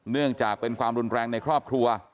เนื่องจากเป็นความรุนแรงในครอบครัว